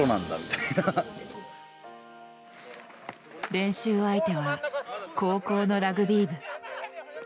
練習相手は高校のラグビー部。